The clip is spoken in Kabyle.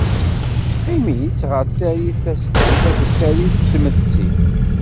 Teqqim-itt ɣer tarit tastant akked tarit n tmetti.